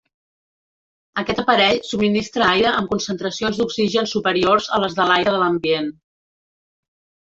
Aquest aparell subministra aire amb concentracions d'oxigen superiors a les de l'aire de l'ambient.